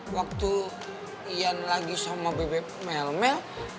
waktu ian lagi sama bebek melmel